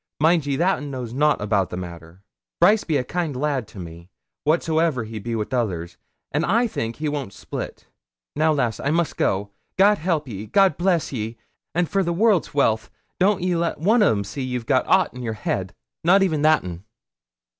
Mind ye, that un knows nout o' the matter. Brice be a kind lad to me, whatsoe'er he be wi' others, and I think he won't split. Now, lass, I must go. God help ye; God bless ye; an', for the world's wealth, don't ye let one o' them see ye've got ought in your head, not even that un.'